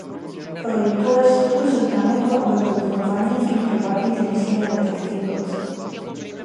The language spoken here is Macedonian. Поради тоа е строго забрането обелоденувањето на приватните мисли на детективот.